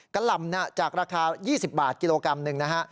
หล่ำจากราคา๒๐บาทกิโลกรัมหนึ่งนะฮะ